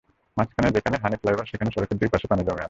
মাঝখানে যেখানে হানিফ ফ্লাইওভার, সেখানে সড়কের দুই পাশে পানি জমে আছে।